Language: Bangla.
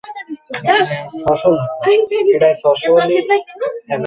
কথা দিচ্ছি, অনুশোচনা হবে না।